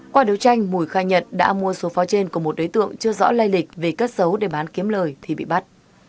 qua đấu tranh mùi khai nhận đã mua số pháo trên của một đối tượng chưa rõ lây lịch về cất xấu để bán kiếm lời thì bị bắt